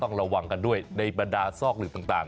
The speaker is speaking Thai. ต้องระวังกันด้วยในบรรดาซอกหลึบต่าง